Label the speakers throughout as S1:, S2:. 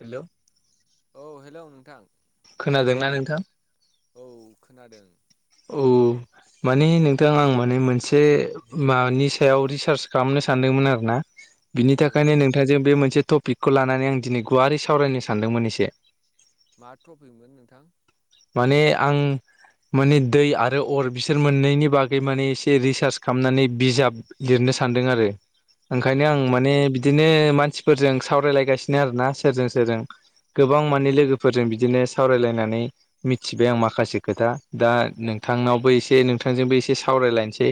S1: Hello.
S2: औ hello नोंथां।
S1: खोनादोंना नोंथां?
S2: औ खोनादों।
S1: उ माने नोंथां आं माने मोनसे मानि सायाव रिसार्च खालामनो सानदोंमोन आरो ना। बिनि
S2: औ
S1: थाखायनो नोंथांजों बे मोनसे टपिकखौ लानानै आं दिनै गुवारै सावरायनो सानदोंमोन एसे।
S2: मा ट्रफिकमोन नोंथां?
S1: माने आं माने दै आरो अर बिसोर मोननैनि बागै माने एसे रिस्क चार्स खामनानै बिजाब लिरनो सानदों आरो
S2: अ
S1: ओंखायनो आं माने बिदिनो मानसि फोरजों सावरायलायगासिनो आरोना सोरजों सोरजों गोबां माने लोगोफोरजों बिदिनो सावरायलायनानै मिथिबाय आं माखासे खोथा दा नोंथांनावबो एसे नोंथांजोंबो एसे सावरायलायनोसै।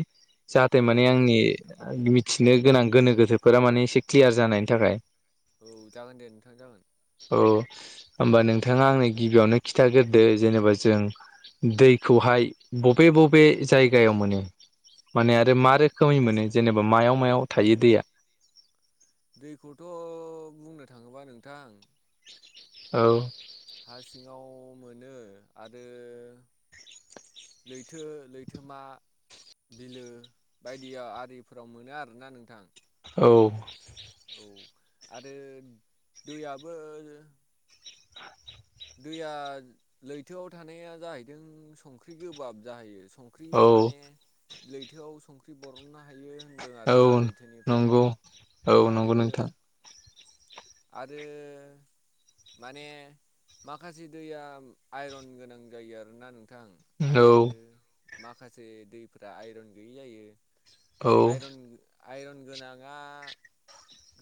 S1: जाहाथे
S2: औ
S1: माने
S2: औ औ नोंथां
S1: आंनि मिथिनो गोनां गोनो गोथोफोरा माने एसे क्लियार जानायनि थाखाय।
S2: औ जागोन दे नोंथां जागोन।
S1: औ होमबा नोंथाङा आंनो गिबियावनो खिन्थाग्रो दो जेनेबा जों दैखौहाय बबे बबे जायगायाव मोनो माने आरो मा रोखोमै मोनो जेनेबा मायाव मायाव थायो दैया?
S2: दैखौथ' बुंनो थाङोबा नोंथां
S1: औ
S2: हा सिङाव मोनो आरो लैथो लैथोमा बिलो बायदियाव आरिफोराव मोनो आरोना नोंथां।
S1: औ
S2: औ आरो दैयाबो
S1: [inaudible]
S2: दैया लैथोआव थानाया जाहैदों संख्रि गोबाब जाहैयो सं ख्रि
S1: औ औ
S2: माने लैथोआव संख फ्रि बर'ननो हायो होन्दों
S1: औ
S2: आरोना लैथोनिफ्राय
S1: नंगौ औ नंगौ
S2: आरो
S1: नोंथां
S2: आरो माने माखासे दैया आइरन गोनां जायो आरोना नोंथां
S1: औ
S2: आरो माखासे दैफोरा आइरन गैयि जायो
S1: औ
S2: आइरन आइरन गोनाङा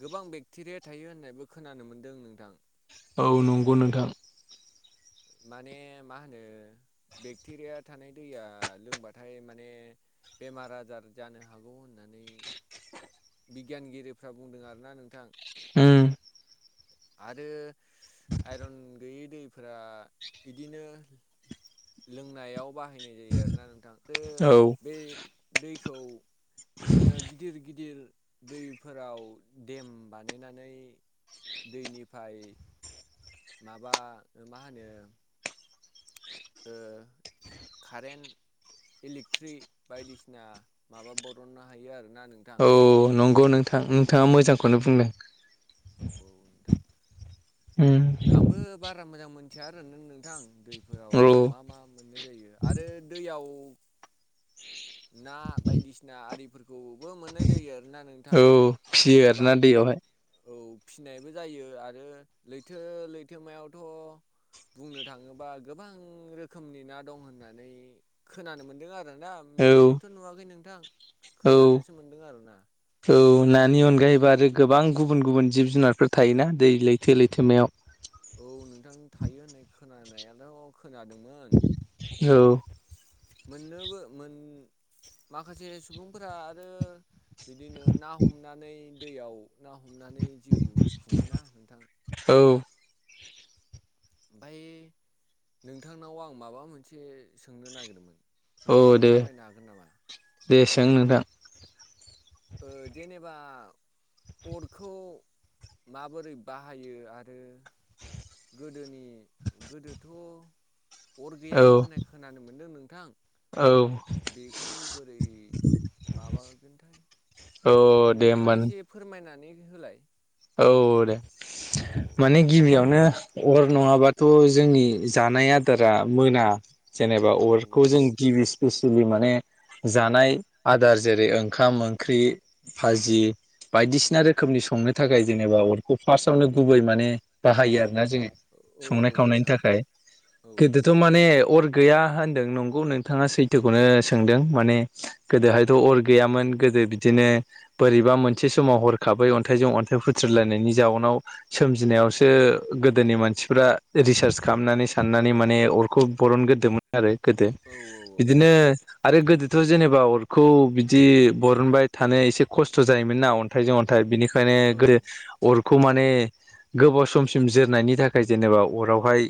S2: गोबां बेक्टेरिया थायो होननायबो खोनानो मोनदों नोंथां।
S1: औ नंगौ नोंथां।
S2: माने मा होनो बेक्टेरिया थानाय दैया लोंबाथाय माने बेमार आजार जानो हागौ होननानै बिगियानगिरिफ्रा बुंदों आरोना नोंथां।
S1: उम।
S2: आरो आइरन गैयै दैफोरा इदिनो लोंनायाव बाहायनाय जायो आरोना नोंथां बे
S1: औ
S2: बे दैखौ इदिनो गिदिर गिदिर दैफोराव डेम बानायनानै दैनिफाय माबा ओ मा होनो ओ खारेन्ट इलेक्ट्रि बायदिसिना माबा बर'ननो हायो आरोना नों
S1: औ नंगौ नोंथां नोंथाङा मोजांखौनो बुंदो।
S2: औ नोंथां।
S1: उम।
S2: आंबो बारा मोजां मोनथिया आरो नों-नोंथां दै फोराव
S1: औ
S2: मा मा मोननाय जायो आरो दैयाव ना बायदिसिना आरिफोर गौबो मोननाय जायो आरोना नोंथां
S1: औ फिसियो
S2: गोबां
S1: आरोना दैयावहाय
S2: औ फिनायबो जायो आरो लैथो लैथोमायावथ' बुंनो थाङोबा गोबां रोखोमनि ना दं होननानै खोनानो मोनदों आरोना
S1: औ
S2: मेगनजोंथ' नुवाखै नोंथां
S1: औ
S2: खोनानोसो मोनदों आरो ना।
S1: औ नानि अनगायैबो आरो गोबां गुबुन गुबुन जिब जुनारफोर थायोना दै लैथो लैथोमायाव।
S2: औ नोंथां थायो होननाय खोनानायाल' खोनादोंमोन।
S1: औ
S2: मोननोबो मोन माखासे सुबुंफोरा आरो बिदिनो ना हमनानै दैयाव ना हमनानै जिउ खुङोना नोंथां।
S1: औ
S2: ओमफ्राय नोंथांनाव आं माबा मोनसे सोंनो नागिरदोंमोन
S1: औ
S2: नोंथाङा
S1: दे
S2: फोरमायनो हागोन नामा
S1: दे सों नोंथां
S2: ओ जेनेबा अरखौ माबोरै बाहायो आरो
S1: [inaudible]
S2: गोदोनि गोदोथ' अर
S1: औ
S2: गैयामोन होननाय खोनानो मोनदों नोंथां
S1: औ
S2: बेखौ बोरै माबागोनथाय
S1: औ दे
S2: नोंथाङा
S1: होमबा
S2: एसे फोरमायनानै होलाय
S1: औ दे
S2: औ
S1: माने गिबियावनो अर नङाबाथ' जोंनि जानाय आदारा मोना जेनेबा
S2: औ
S1: अरखौ जों गिबि स्पेसियेलि माने जानाय आदार जेरै ओंखाम ओंख्रि फाजि बायदिसिना रोखोमनि संनो थाखाय जेनेबा अरखौ फार्स्टआवनो गुबै माने बाहायो आरोना जोङो
S2: औ औ
S1: संनाय
S2: औ
S1: खावनायनि
S2: नोंथां
S1: थाखाय
S2: औ
S1: गोदो थ' माने अर गैया होनदों नंगौ नोंथाङा सैथोखौनो सोंदों माने गोदोहायथ'अर गैयामोन गोदो बिदिनो बोरैबा मोनसे समाव हरखाबै अन्थाइजों अन्थाइ फुथ्रुलायनायनि जाउनाव सोमजिनायावसो गोदोनि मानसिफ्रा रिसार्च खालामनानै साननानै माने अरखौ बरनग्रोदोंमोन आरो गोदो
S2: औ औ औ
S1: बिदिनो
S2: नोंथां
S1: आरो गोदो थ' जेनेबा अरखौ बिदि बरनबाय थानो एसे खस्थ' जायोमोन ना अन्थाइजों अन्थाइ बिनिखायनो
S2: औ
S1: गोदो अरखौ माने गोबाव समसिम जोरनायनि थाखाय जेनेबा अरावहाय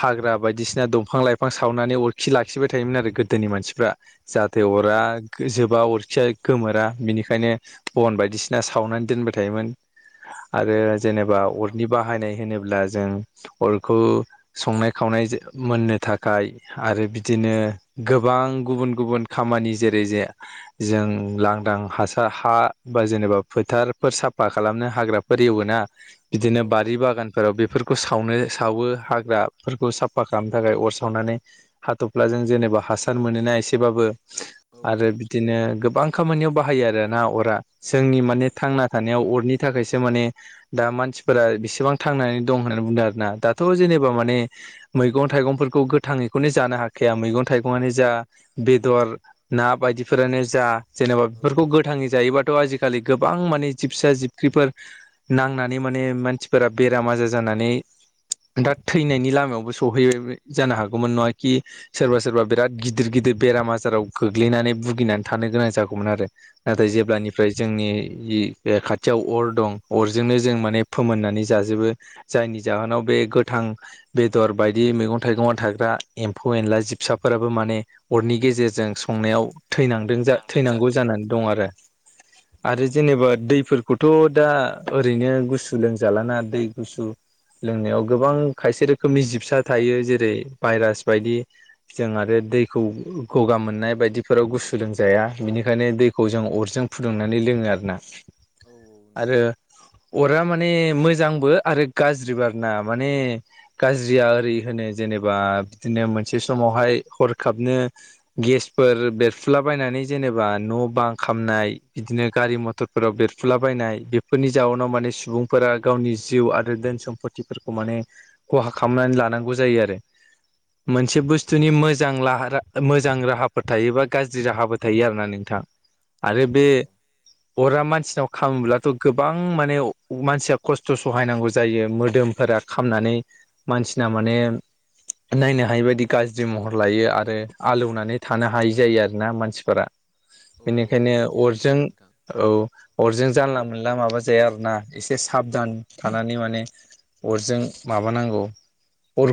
S1: हाग्रा बायदिसिना दंफां लाइफां सावनानै अरखि लाखिबाय थायोमोन आरो गोदोनि मानसिफ्रा जाहाथे
S2: औ
S1: अरा
S2: औ
S1: जोबा अरखिया गोमोरा बिनिखायनो बन बायदिसिना सावनानै दोनबाय थायोमोन आरो
S2: औ
S1: जेनेबा
S2: नंगौ नामा
S1: अरनि
S2: नोंथां
S1: बाहायनाय होनोब्ला जों अरखौ संनाय खावनाय मोननो थाखाय आरो बिदिनो गोबां गुबुन गुबुन खामानि जेरै जे जों लांदां हासार हा बा जेनेबा फोथार फोर साफा खालामनो हाग्राफोर एवोना बिदिनो
S2: औ
S1: बारि बागान फोराव बेफोरखौ सावनो सावो हाग्राफोरखौ साफा खालामनो थाखाय अर सावनानै हाथफ्लाजों जेनेबा हासार मोनोना एसेबाबो
S2: औ
S1: आरो बिदिनो गोबां खामानियाव बाहायो आरोना अरा जोंनि माने थांना थानाय थानायाव अरनि थाखायसो माने मानसिफोरा बेसेबां थांनानै दं होननानै बुंदों दाथ जेनेबा माने मैगं थाइगंफोरखौ गोथाङैखौनो जानो हाखाया मैगं थाइगंआनो जा बेदर ना बायदिफोरानो जा जेनेबा बेफोरखौ गोथाङै जायोबाथ आजिखालि गोबां माने सिबसा जिबख्रिफोर नांनानै माने मानसिफोरा बेराम आजार जानानै दा थैनायनि लामायावबो सहैबाय जानो हागौमोन नङा कि सोरबा सोरबा बिराद गिदिर गिदिर बेराम आजाराव गोग्लैनानै भुगिनानै थानो गोनां जागौमोन आरो नाथाय
S2: औ औ
S1: जेब्लानिफ्राय जोंनि इ खाथियाव अर दं अरजोंनो जों माने फोमोननानै जाजोबो जायनि जाहोनाव बे गोथां बेदर बायदि मैगं थाइगंआव थाग्रा एम्फौ एनला जिबसाफोराबो माने अरनि गेजेरजों संनायाव थैनांदों जा थैनांगौ जानानै दं आरो
S2: औ
S1: आरो
S2: नोंथां।
S1: जेनेबा दैफोरखौथ' दा ओरैनो गुसु लोंजालाना दा दै गुसु लोंनायाव गोबां खायसे रोखोमनि जिबसा थायो जेरै भाइरास बायदि। जों आरो दैखौ गगा मोननाय बायदिफोराव गुसु लोंजाया बिनिखायनो दैखौ जों अरजों फुदुंनानै लोङो आरोना।
S2: औ नोंथां
S1: आरो अरा माने मोजांबो आरो गाज्रिबो आरोना माने गाज्रिया ओरै होनो जेनेबा बिदिनो मोनसे समावहाय हरखाबनो गेसफोर बेरफुलाबायनानै जेनेबा न बां खामनाय बिदिनो गारि मथर फोराव बेरफुलाबायायनाय बेफोरनि जाउनाव माने सुबुंफोरा गावनि जिउ आरो धोन सम्फतिफोरखौ माने खहा खालामनानै लानांगौ जायो आरो
S2: औ।
S1: मोनसे बुस्थुनि मोजां लाहार मोजां राहाफोर थायोबा गाज्रि राहाबो थायो आरोना नोंथां
S2: अ
S1: आरो बे
S2: अ
S1: अरा मानसिनाव खामोब्लाथ' गोबां मानसिया खस्थ' सहायनांगौ जायो मोदोमफोरा खामनानै मानसिना माने नायनो हायि बायदि गाज्रि महर लायो आरो आलौनानै थानो हायै जायो आरोना मानसिफोरा।
S2: औ
S1: बेनिखायनो
S2: बिदि आरोना
S1: अरजों
S2: नोंथां
S1: औ अरजों जानला मोनला माबा जाया आरो ना एसे साबधान थानानै माने अरजों माबानांगौ।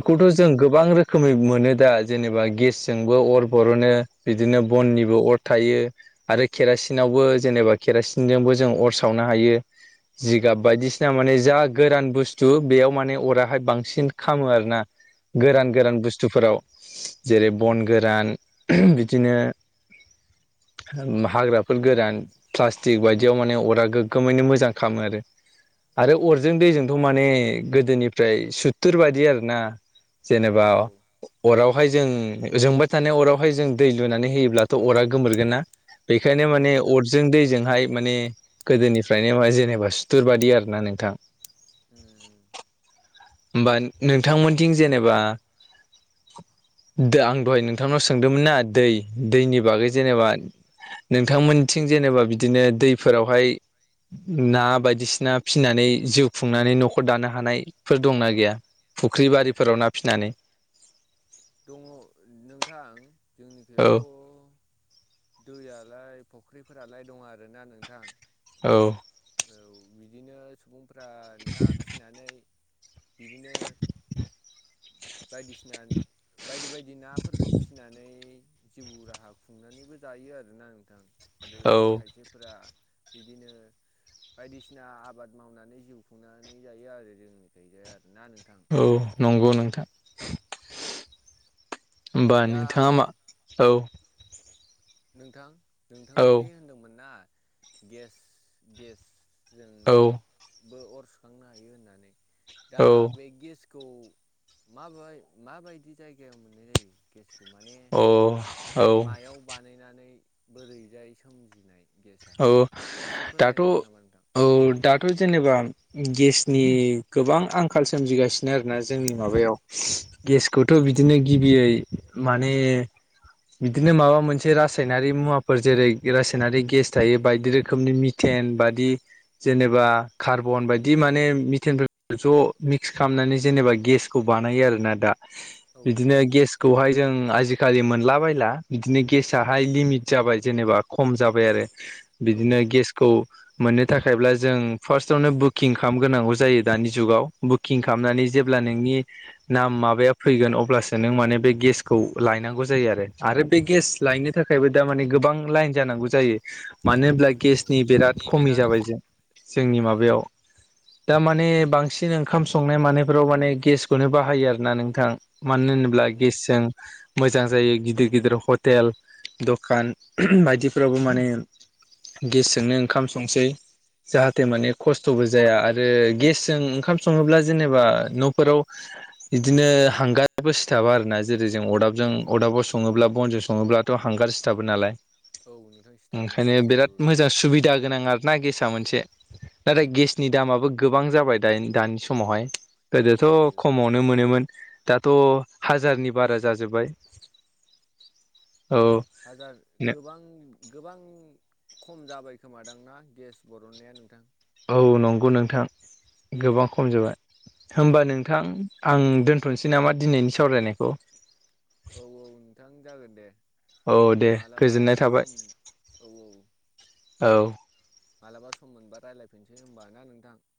S2: औ औ।
S1: जों गोबां रोखोमै मोनो दा जेनेबा गेसजोंबो अर बरनो। बिदिनो
S2: औ
S1: बननिबो अर थायो आरो खेरासिनावबो जेनेबा खेरासिनजोंबो जों अर सावनो हायो
S2: औ औ।
S1: जिगाब बायदिसि ना माने जा गोरान बुस्थु बेयाव माने अराहाय बांसिन खामो आरोना।
S2: औ
S1: गोरान
S2: ओ।
S1: गोरान बुस्थुफोराव जेरै बन गोरान बिदिनो हाग्राफोर गोरान। प्लास्टिक बायदियाव माने अरा गोगोमैनो मोजां खामो आरो।
S2: औ
S1: आरो अरजों दैजोंथ' माने गोदोनिफ्राय सुत्तुर बायदि आरोना।
S2: औ
S1: जेनेबा अरावहाय जों जोंबाय थानाय अरावहाय जों दै लुनानै होयोब्लाथ' अरा गोमोरगोन ना? बेखायनो
S2: औ
S1: माने
S2: नोंथां
S1: अरजों दैजोंहाय माने गोदोनिफ्रायनो जेनेबा सुथुरबादि आरो ना नोंथां।
S2: उम।
S1: होमबा नोंथांमोननिथिं जेनेबा आं दहाय नोंथांनाव सोंदोंमोन ना दै दैनि
S2: उम औ
S1: बागै जेनेबा नोंथांमोननिथिं जेनेबा बिदिनो दैफोरावहाय ना बायदिसिना फिनानै जिउ खुंनानै न'खर दानो हानायफोर दंना गैया? फुख्रि बारिफोराव ना फिसिनानै।
S2: दङ नोंथां
S1: औ
S2: जोंनिखिजायथ' दैयालाय फुख्रिफोरालाय दं आरोना नोंथां।
S1: औ।
S2: औ बिदिनो सुबुंफ्रा ना फिसिनानै बिदिनो बायदिसिना बायदि बायदि नाफोरखौ फिसिनानै जिउ राहा खुंनानैबो जायो आरोना नोंथां आरो
S1: औ
S2: खायसे फोरा बिदिनो बायदिसिना आबाद मावनानै जिउ खुंनानै जायो आरो जोंनिखायजाय आरोना नोंथां
S1: औ नंगौ नोंथां होमबा
S2: दा आं
S1: नोंथाङा मा औ
S2: नोंथां नोंथाङा
S1: औ
S2: दि होनदोंमोन ना गेस गेस जों
S1: औ
S2: बो अर सुखांनो हायो होननानै दा
S1: औ
S2: बे गेस म माबायदि जायगायाव मोननाय जायो गेसखौ माने
S1: अ
S2: मायाव बानायनानै बोरैजाय सोमजिनाय गेसा
S1: औ
S2: एसे फोरमायनो
S1: दाथ'
S2: हागोन नामा नोंथां
S1: औ दाथ' जेनेबा गेसनि गोबां आं खाल सोमजिगासिनो आरोना जोंनि माबायाव गेसखौथ' बिदिनो गिबियै माने बिदिनो माबा मोनसे रासायनारि मुवाफोर जेरै रासायनारि गेस थायो बायदि रोखोमनि मिथेन बादि जेनेबा कार्बन बायदि माने मिथेन फोरखो ज' मिक्स खालामनानै जेनेबा गेस खौ बानायो आरोना दा
S2: औ
S1: बिदिनो
S2: नोंथां।
S1: गेस खौहाय जों आजिकालि मोनला बायला बिदिनो गेसाहाय लिमिट जाबाय जेनेबा खम जाबाय आरो
S2: औ
S1: बिदिनो गेस खौ मोननो थाखायब्ला जों फार्स्टआवनो बुकिं खालामग्रोनांगौ जायो दानि जुगाव बुकिं
S2: औ।
S1: खालामनानै जेब ब्ला नोंनि नाम माबाया फैगोन अब्लासो नों माने बे गेसखौ लायनांगौ जायो आरो आरो बे गेस लायनो थाखायबो दामाने गोबां लाइन जानांगौ जायो मानो अब्ला गेसनि बिराद खमि
S2: औ
S1: जाबाय जों जोंनि माबायाव दा माने बांसिन ओंखाम संनाय मानायफ्राव माने गेसखौनो बाहायो आर ना नोंथां मानो
S2: औ
S1: होनोब्ला गेसजों
S2: नोंथां
S1: मोजां जायो गिदिर गिदिर हटेल दखान बायदिफ्रावबो माने गेसजोंनो ओंखाम संसै जाहाथे माने खस्थ'बो जाया आरो गेसजों ओंखाम सङोब्ला जेनेबा न'फोराव इदिनो हांगाराबो सिथाबा आरोना जेरै जों अरदाबजों अदाबाव सङोब्ला बनजों सङोब्लाथ' हांगार सिथाबो नालाय
S2: औ नोंथां सि
S1: ओंखायनो बिराद मोजां सुबिदा गोनां आर ना गेसाआ मोनसे नाथाय दामाबो गोबां जाबाय दाइन दानि समावहाय
S2: औ।
S1: गोदोथ' खमाव नो मोनोमोन दाथ' हाजारनि बारा जाजोब्बाय। औ।
S2: हाजार गोबां। गोबां खम जाबाय खोमादां ना गेस बरननाया नोंथां।
S1: औ नंगौ नोंथां गोबां खम जोबाय। होमबा नोंथां आं दोनथ'नोसै नामा दिनैनि सावरायनायखौ।
S2: औ -औ नोंथां जागोन दे
S1: औ दे
S2: मालाबा
S1: गोजोननाय थाबाय
S2: सम औ- औ।
S1: औ।
S2: मालाबा सम मोनबा रायलायफिनसै होनबा ना नोंथां।